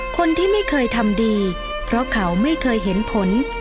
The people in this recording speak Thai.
คนที่ไม่เคยทำดีเพราะเขาไม่เคยเห็นผล